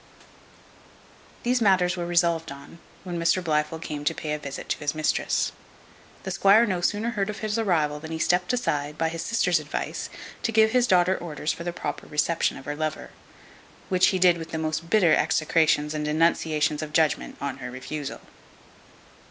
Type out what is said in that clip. These matters were resolved on, when Mr Blifil came to pay a visit to his mistress. The squire no sooner heard of his arrival, than he stept aside, by his sister's advice, to give his daughter orders for the proper reception of her lover: which he did with the most bitter execrations and denunciations of judgment on her refusal.